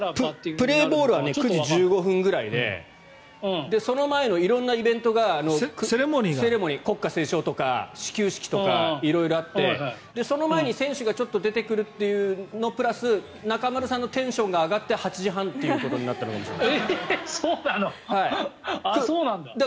プレーボールは９時１５分ぐらいでその前の色んなイベントとか始球式とか国歌斉唱とか色々あって、その前に選手がちょっと出てくるというのプラス中丸さんのテンションが上がって８時半になったのかもしれない。